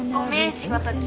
仕事中。